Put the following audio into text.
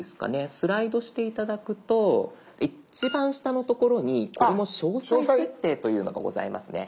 スライドして頂くと一番下の所にこれも「詳細設定」というのがございますね。